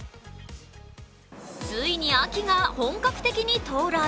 ついに秋が本格的に到来。